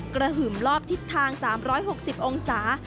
หึ่มรอบทิศทาง๓๖๐องศา